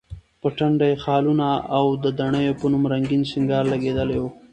په ټنډه یې خالونه، او د دڼیو په نوم رنګین سینګار لګېدلی و.